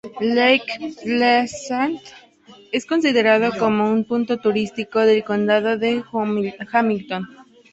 Lake Pleasant es considerado como un punto turístico del condado de Hamilton.